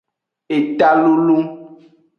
Eta lulun.